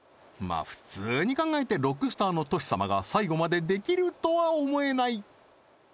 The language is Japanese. まあ普通に考えてロックスターのＴｏｓｈｌ様が最後までできるとは思えない